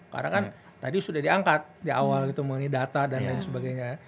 karena kan tadi sudah diangkat di awal mengenai data dan lain sebagainya